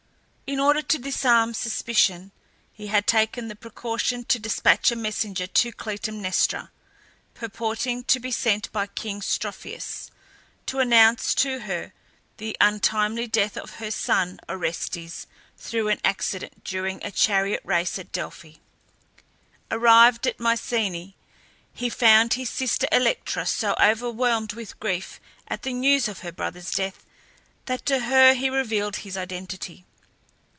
In order to disarm suspicion he had taken the precaution to despatch a messenger to Clytemnestra, purporting to be sent by king Strophius, to announce to her the untimely death of her son Orestes through an accident during a chariot race at Delphi. Arrived at Mycenae, he found his sister Electra so overwhelmed with grief at the news of her brother's death that to her he revealed his identity.